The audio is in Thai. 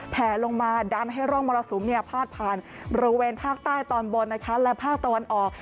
แผลลงมาดันให้ร่องมรสุมพาดผ่านบริเวณภาคใต้ตอนบนนะคะและภาคตะวันออก